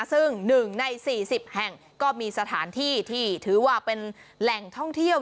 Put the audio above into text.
ซึ่ง๑ใน๔๐แห่งก็มีสถานที่ที่ถือว่าเป็นแหล่งท่องเที่ยว